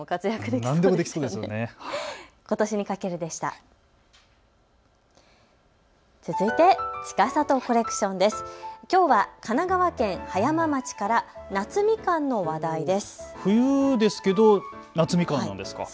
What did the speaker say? きょうは神奈川県葉山町から夏みかんの話題です。